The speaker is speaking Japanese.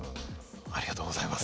ありがとうございます。